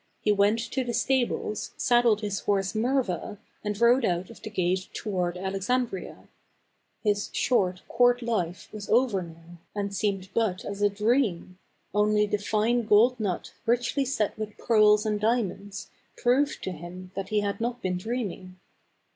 He went to the stables, saddled his horse Murva, and rode out of the gate toward Alexan dria. His short court life was over now, and seemed but as a dream ; only the fine gold nut richly set with pearls and diamonds proved to him that he had not been dreaming.